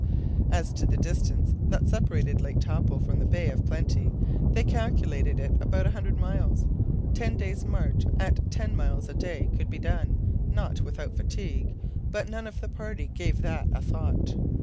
As to the distance that separated Lake Taupo from the Bay of Plenty, they calculated it about a hundred miles. Ten days' march at ten miles a day, could be done, not without fatigue, but none of the party gave that a thought.